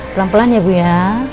pelan pelan ya bu ya